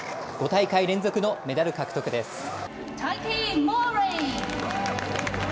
５大会連続のメダル獲得です。